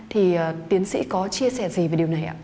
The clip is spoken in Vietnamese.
thì tiến sĩ có chia sẻ gì về điều này ạ